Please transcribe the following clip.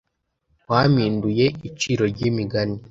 wampinduye iciro ry'imigani